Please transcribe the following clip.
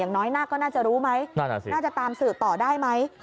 น้อยหน้าก็น่าจะรู้ไหมน่าจะตามสื่อต่อได้ไหม